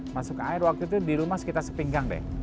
masuk ke air waktu itu di rumah sekitar sepinggang deh